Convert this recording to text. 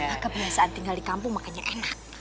maka perasaan tinggal di kampung makanya enak